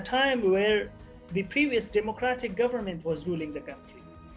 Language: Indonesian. jumlah orang yang keluar dari afganistan ke negara barat